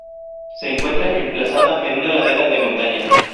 Se encuentra emplazada en una ladera de montaña.